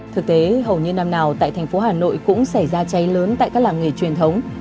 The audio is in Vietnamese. thực tế hầu như năm nào tại thành phố hà nội cũng xảy ra cháy lớn tại các làng nghề truyền thống